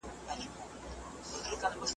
د کار او ستومانۍ مقابلې توان لوړوي.